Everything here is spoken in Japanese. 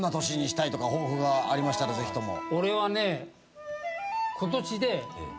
俺はね。